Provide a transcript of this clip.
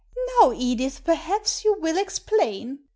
" Now, Edith, perhaps you will explain